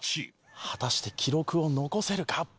果たして記録を残せるか？